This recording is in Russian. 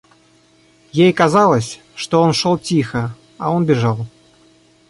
Ей казалось, что он шел тихо, а он бежал.